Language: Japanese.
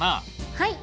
はい。